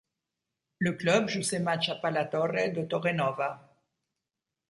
Le club joue ses matchs à PalaTorre de Torrenova.